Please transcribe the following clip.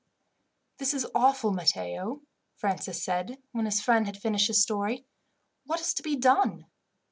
"This is awful, Matteo," Francis said, when his friend had finished his story. "What is to be done?"